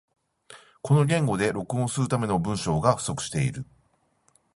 この言語で録音するための文章が不足している